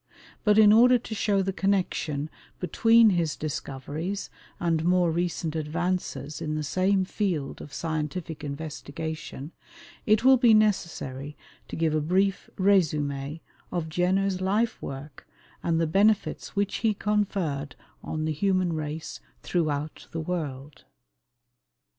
But in order to show the connection between his discoveries and more recent advances in the same field of scientific investigation, it will be necessary to give a brief resume of Jenner's life work, and the benefits which he conferred on the human race throughout the world.